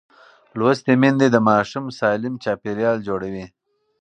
لوستې میندې د ماشوم سالم چاپېریال جوړوي.